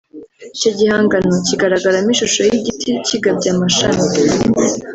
Icyo gihangano kigaragaramo ishusho y’igiti kigabye amashami